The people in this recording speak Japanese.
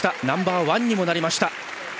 ナンバーワンにもなりました。